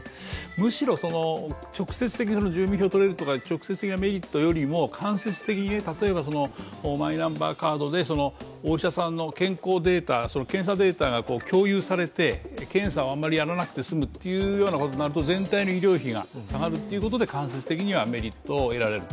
むしろ、直接的に住民票がとれるというメリットよりも間接的に、例えばマイナンバーカードでお医者さんの健康データ、検査データが共有されて検査をあまりやらなくて済むというようになると全体の医療費が下がるっていうことで間接的にはメリットを得られる。